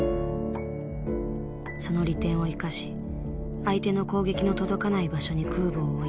その利点を生かし相手の攻撃の届かない場所に空母を置いて